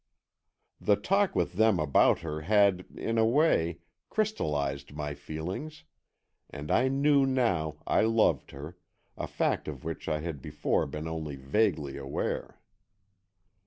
The talk with them about her had, in a way, crystallized my feelings, and I knew now I loved her, a fact of which I had before been only vaguely aware.